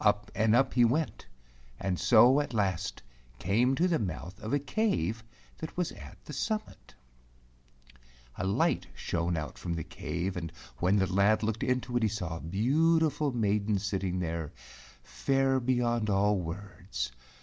Up and up he went, and so at last came to the mouth of a cave that was at the summit. 181 A DEMON OF THE MOUNTAIN A light shone out from the cave, and when the lad looked into it he saw a beautiful maiden sitting there, fair beyond all words.